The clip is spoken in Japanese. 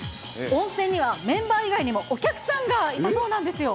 温泉にはメンバー以外にもお客さんがいたそうなんですよ。